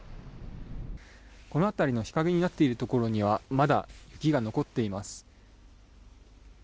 この辺りの日陰になっているところにはまだ雪が残っています。